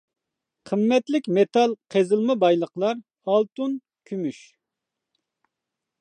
قىممەتلىك مېتال قېزىلما بايلىقلار: ئالتۇن، كۈمۈش.